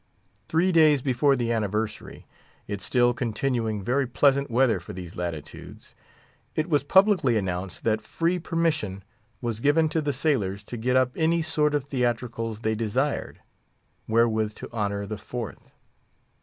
Three days before the anniversary—it still continuing very pleasant weather for these latitudes—it was publicly announced that free permission was given to the sailors to get up any sort of theatricals they desired, wherewith to honour the Fourth.